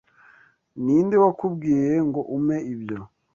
Ninde wakubwiye ngo umpe ibyo?